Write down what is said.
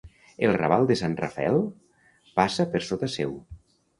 El Raval de Sant rafel passa per sota seu.